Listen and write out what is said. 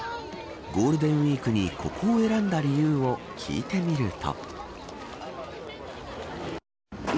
ゴールデンウイークにここを選んだ理由を聞いてみると。